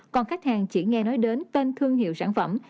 còn khách hàng chỉ nghe nói đến tên thương hiệu sản phẩm